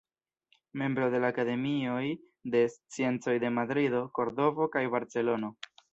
Membro de la Akademioj de Sciencoj de Madrido, Kordovo kaj Barcelono.